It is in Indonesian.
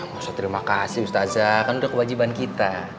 gak usah terima kasih ustazah kan udah kewajiban kita